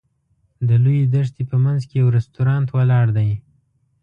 د لویې دښتې په منځ کې یو رسټورانټ ولاړ دی.